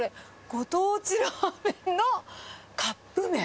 ご当地ラーメンのカップ麺？